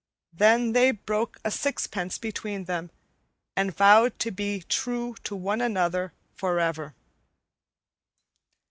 Then they broke a sixpence between them, and vowed to be true to one another forever.